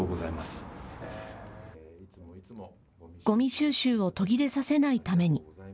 ごみ収集を途切れさせないために。